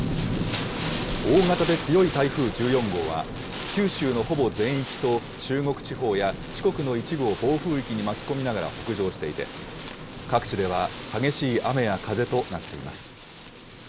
大型で強い台風１４号は、九州のほぼ全域と中国地方や四国の一部を暴風域に巻き込みながら北上していて、各地では激しい雨や風となっています。